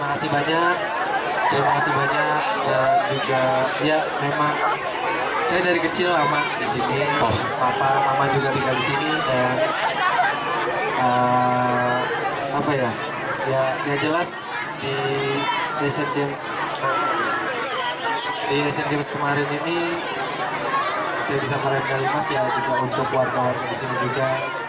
apa ya ya jelas di asian games kemarin ini saya bisa peraih medali emas ya untuk warga disini juga